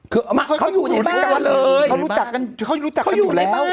เขาอยู่ในบ้านเลยเขารู้จักกันอยู่แล้ว